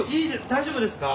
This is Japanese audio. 大丈夫ですか？